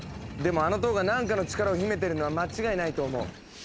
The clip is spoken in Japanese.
でもあの塔が何かの力を秘めてるのは間違いないと思う。